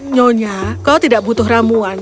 nyonya kau tidak butuh ramuan